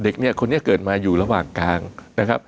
เชิญว่าลูกคนมาอยู่นี่ระหว่างกลางนะครับ